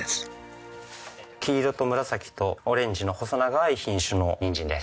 黄色と紫とオレンジの細長い品種のニンジンです。